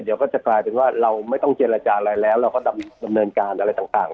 เดี๋ยวก็จะกลายเป็นว่าเราไม่ต้องเจรจาอะไรแล้วเราก็ดำเนินการอะไรต่าง